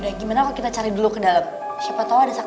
aku sendiri juga gak tau aina